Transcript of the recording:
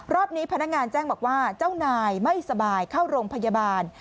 รอบนี้พนักงานแจ้งบอกว่าเจ้านายไม่สบายเข้าโรงพยาบาล